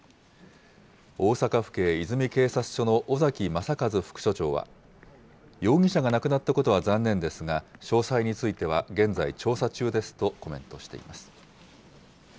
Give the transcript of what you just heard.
大阪府警和泉警察署の尾崎雅一副署長は、容疑者が亡くなったことは残念ですが、詳細については現在調査中ですとコメントしています。